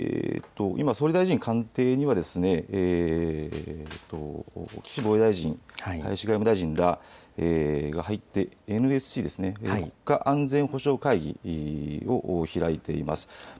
今、総理大臣官邸には岸防衛大臣、林外務大臣らが入ってＮＳＣ・国家安全保障会議を開いています。